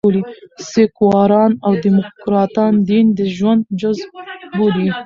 سیکواران او ډيموکراټان دین د ژوند جزء بولي.